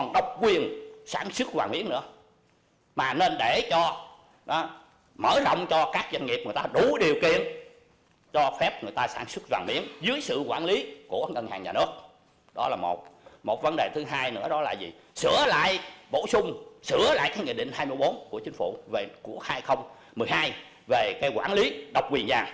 độc quyền vàng cho phép các doanh nghiệp có đủ điều kiện nhập khẩu hoàng dưới sự quản lý của ngân hàng nhà nước